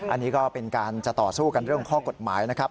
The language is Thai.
อันนี้ก็เป็นการจะต่อสู้กันเรื่องข้อกฎหมายนะครับ